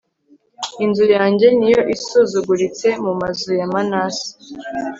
inzu yanjye ni yo isuzuguritse mu mazu ya manase